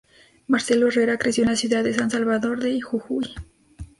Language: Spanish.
Marcelo Herrera creció en la ciudad de San Salvador de Jujuy.